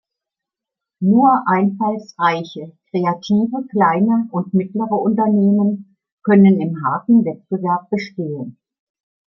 Nur einfallsreiche, kreative kleine und mittlere Unternehmen können im harten Wettbewerb bestehen.